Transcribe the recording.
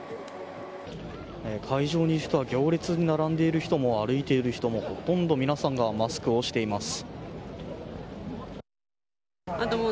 会場にいる人は行列に並んでいる人も歩いている人もほとんど皆さんがマスクをしています。